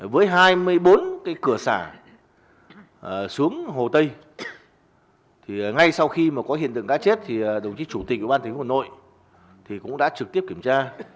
với hai mươi bốn cửa xả xuống hồ tây ngay sau khi có hiện tượng cá chết thì đồng chí chủ tịch của ban tỉnh hồ nội cũng đã trực tiếp kiểm tra